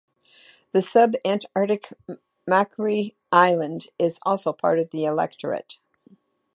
The subantarctic Macquarie Island is also part of the electorate.